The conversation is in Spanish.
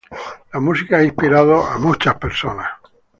La música ha inspirado a muchas personas